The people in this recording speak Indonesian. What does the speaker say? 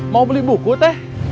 mau beli buku teh